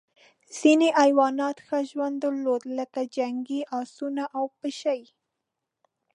ځینې حیوانات ښه ژوند درلود لکه جنګي اسونه او پشۍ.